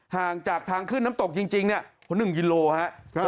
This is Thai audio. ห่างจากทางขึ้นน้ำตกจริงเนี่ย๑กิโลครับ